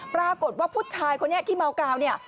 ปรากฏว่าผู้ชายคนนี้ที่เมาเกลา